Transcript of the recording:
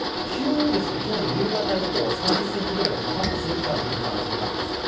急に今日の夕方以降３０センチぐらい、どかっと数時間降る可能性があります。